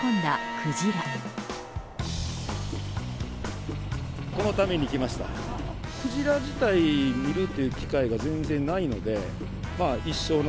クジラ自体、見るっていう機会が全然ないので。